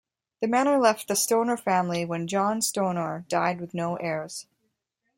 The manor left the Stonor family when John Stonor died with no heirs.